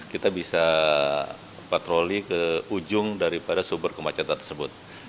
kita bisa patroli ke ujung daripada sumber kemacetan tersebut